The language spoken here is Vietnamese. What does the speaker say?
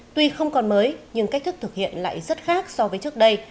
tuy không còn mới nhưng cách thức thực hiện lại rất khác so với trước đây